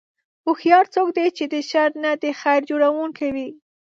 هوښیار څوک دی چې د شر نه د خیر جوړوونکی وي.